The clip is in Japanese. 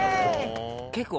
結構。